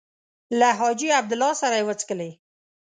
له حاجي عبدالله سره یې وڅښلې.